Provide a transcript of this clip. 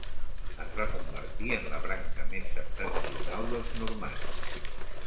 Es va convertir en la branca més septentrional dels normands.